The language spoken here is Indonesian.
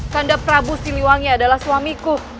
tanda prabu siluwangi adalah suamiku